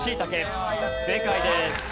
正解です。